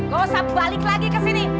gak usah balik lagi ke sini